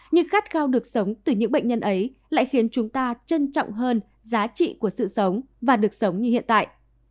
nhưng khát khao được sống từ những bệnh nhân ấy lại khiến chúng ta trân trọng hơn giá trị của sự sống và được sống như hiện tại